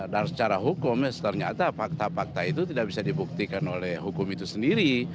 dan secara hukum ya ternyata fakta fakta itu tidak bisa dibuktikan oleh hukum itu sendiri